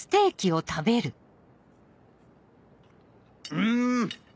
うん！